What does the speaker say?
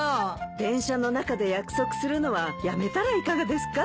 電車の中で約束するのはやめたらいかがですか？